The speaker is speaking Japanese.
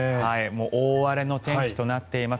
もう大荒れの天気となっています。